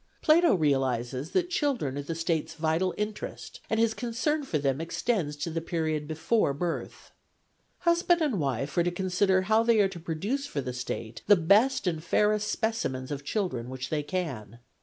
Plato realises that children are the State's vital PLATO 179 interest, and his concern for them extends to the period before birth. Husband and wife are to con sider how they are to produce for the State the best and fairest specimens of children which they can.